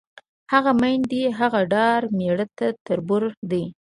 هغه منډې، هغه ډار میړه تربور دی